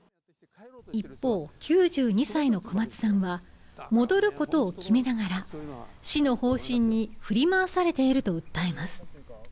一方、９２歳の小松さんは戻ることを決めながら市の方針に振り回されていると訴えています。